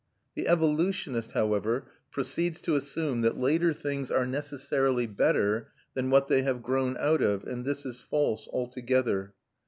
The evolutionist, however, proceeds to assume that later things are necessarily better than what they have grown out of: and this is false altogether.